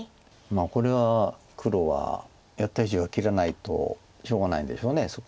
これは黒はやった以上は切らないとしょうがないでしょうそこ。